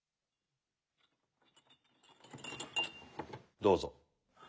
どうぞ。